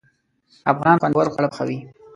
افغانان خوندور خواړه پخوي.